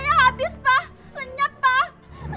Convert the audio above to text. lihat pintu saya rusak pak